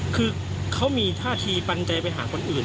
คือเขามีท่าทีปันใจไปหาคนอื่น